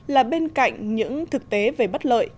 là bên cạnh những thực tế về bất lợi